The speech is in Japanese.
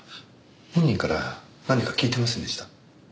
本人から何か聞いていませんでした？